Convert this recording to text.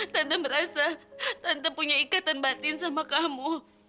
tante merasa tante punya ikatan batin sama kamu